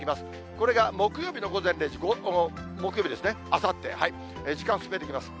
これが木曜日の午前０時、木曜日ですね、あさって、時間進めていきます。